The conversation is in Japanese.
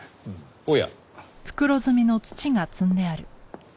おや？